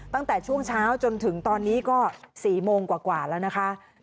ตั้งแต่ช่วงเช้าจนถึงตอนนี้ก็๔โมงกว่าแล้วนะคะ